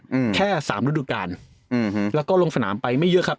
อืมแค่สามฤดูการอืมแล้วก็ลงสนามไปไม่เยอะครับ